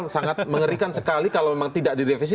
sangat mengerikan sekali kalau memang tidak direvisi